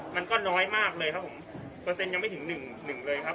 มันก็น้อยมากเลยครับผมเปอร์เซ็นต์ยังไม่ถึงหนึ่งหนึ่งเลยครับ